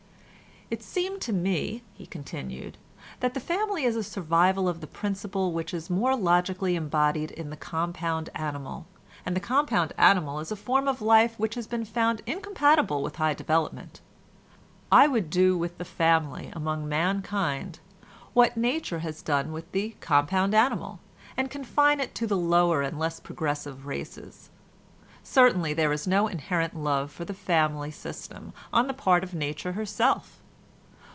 "It seems to me," he continued, "that the family is a survival of the principle which is more logically embodied in the compound animal—and the compound animal is a form of life which has been found incompatible with high development. I would do with the family among mankind what nature has done with the compound animal, and confine it to the lower and less progressive races. Certainly there is no inherent love for the family system on the part of nature herself.